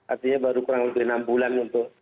artinya baru kurang lebih enam bulan untuk